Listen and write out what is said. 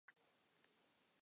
很好吃不贵